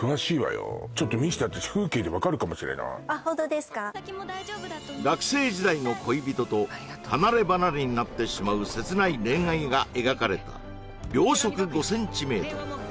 ちょっと見して私学生時代の恋人と離れ離れになってしまう切ない恋愛が描かれた「秒速５センチメートル」